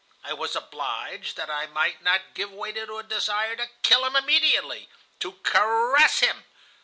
I was obliged, that I might not give way to a desire to kill him immediately, to 'caress' him.